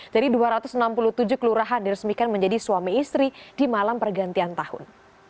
jadi dua ratus enam puluh tujuh kelurahan diresmikan menjadi suami istri di malam pergantian tahun